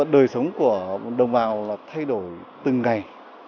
đời sống của đồng bào thay đổi từng ngày